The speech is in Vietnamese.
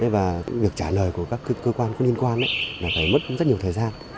và việc trả lời của các cơ quan có liên quan là phải mất rất nhiều thời gian